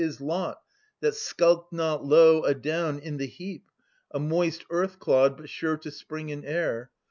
His lot, that skulked not low adown i' the heap, A moist earth clod, but sure to spring in air.